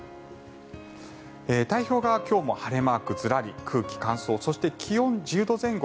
太平洋側は今日も晴れマークずらり空気乾燥そして、気温１０度前後。